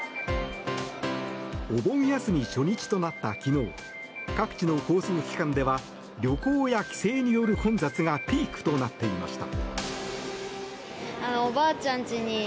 お盆休み初日となった昨日各地の交通機関では旅行や帰省による混雑がピークとなっていました。